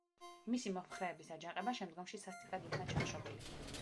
მისი მომხრეების აჯანყება შემდგომში სასტიკად იქნა ჩახშობილი.